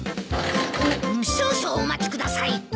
少々お待ちください。